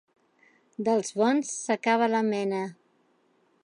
Dels bons s'acaba la mena.